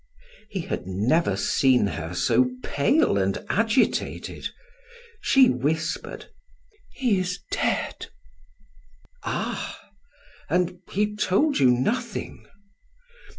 He had never seen her so pale and agitated. She whispered: "He is dead!" "Ah and he told you nothing?"